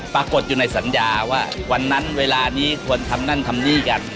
ปรากฏอยู่ในสัญญาว่าวันนั้นเวลานี้ควรทำนั่นทำนี่กัน